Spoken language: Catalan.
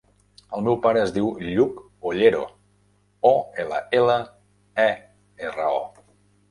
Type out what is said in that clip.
El meu pare es diu Lluc Ollero: o, ela, ela, e, erra, o.